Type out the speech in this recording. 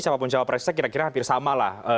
siapapun siapa presiden kira kira hampir sama lah